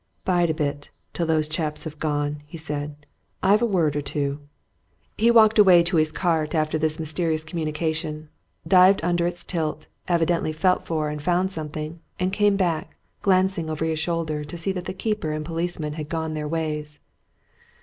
"Bide a bit till those chaps have gone," he said. "I've a word or two." He walked away to his cart after this mysterious communication, dived under its tilt, evidently felt for and found something, and came back, glancing over his shoulder to see that keeper and policeman had gone their ways.